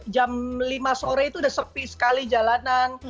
jam lima sore itu udah sepi sekali jalanan